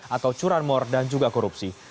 atau curanmor dan juga korupsi